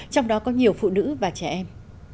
trong đó có nhiều phụ nữ và trẻ em